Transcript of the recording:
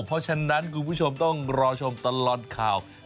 เพราะฉะนั้นคุณผู้ชมต้องรอชมตลอดข่าว